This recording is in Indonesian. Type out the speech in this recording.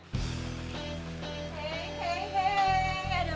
enggak aku bicara apa adanya